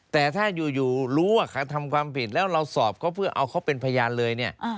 แต่ถ้าอยู่รู้ว่าเขาทำความผิดแล้วเราสอบเขาเพื่อเอาเขาเป็นพยานเลยเนี่ย